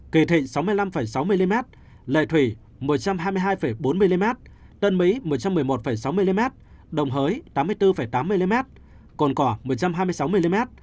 kỳ thịnh sáu mươi năm sáu mm lệ thủy một trăm hai mươi hai bốn mm tân mỹ một trăm một mươi một sáu mm đồng hới tám mươi bốn tám mm cồn cỏ một trăm hai mươi sáu mm